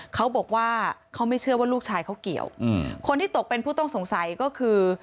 เขาบอกว่าเขาไม่เชื่อว่าลูกชายเขาเกี่ยวอืมคนที่ตกเป็นผู้ต้องสงสัยก็คือ